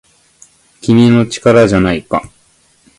「君の！力じゃないか!!」